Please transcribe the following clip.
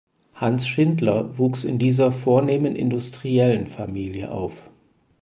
Hans Schindler wuchs in dieser vornehmen Industriellenfamilie auf.